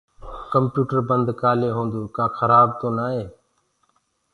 ڪمپيوٽر بند ڪآلي هوندوئي ڪآ خرآب تو نآ هي